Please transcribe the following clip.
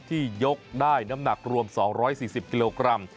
ที่ยกได้น้ำหนักรวม๒๔๐กิโลกรัม